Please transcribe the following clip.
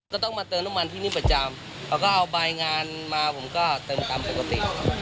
ก็ต้องมาเติมน้ำมันที่นี่ประจำเขาก็เอาใบงานมาผมก็เติมตามปกติ